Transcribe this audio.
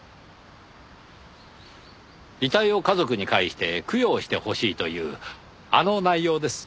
遺体を家族に帰して供養してほしいというあの内容です。